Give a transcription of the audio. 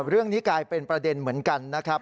เรื่องนี้กลายเป็นประเด็นเหมือนกันนะครับ